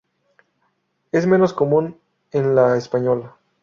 Es menos común en La Española.